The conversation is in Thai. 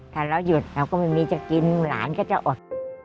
ถ้าเราหยุดเราก็ไม่มีจะกินหลานก็จะอด